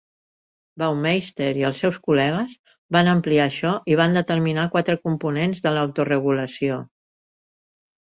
Baumeister i els seus col·legues van ampliar això i van determinar quatre components de l'autoregulació.